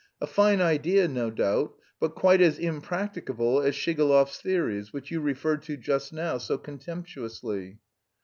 A fine idea, no doubt, but quite as impracticable as Shigalov's theories, which you referred to just now so contemptuously."